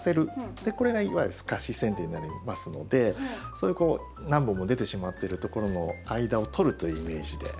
これがいわゆるすかしせん定になりますのでそういう何本も出てしまってるところの間を取るというイメージで。